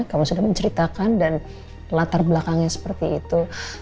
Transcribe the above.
kalau sudah menceritakan dan latar belakangnya seperti itu